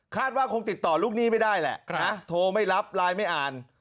ว่าคงติดต่อลูกหนี้ไม่ได้แหละนะโทรไม่รับไลน์ไม่อ่าน